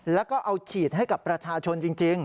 แล้วก็เอาฉีดให้กับประชาชนจริง